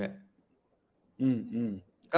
อืม